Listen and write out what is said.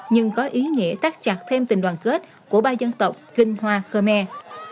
nhưng có ý nghĩa tắt chặt thêm tình đoàn kết của ba dân tộc kinh hoa khmer